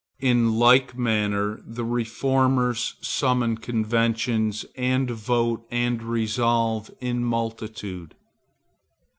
In like manner the reformers summon conventions and vote and resolve in multitude.